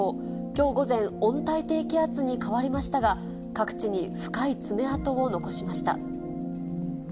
きょう午前、温帯低気圧に変わりましたが、各地に深い爪痕を残しました。